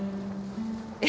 え？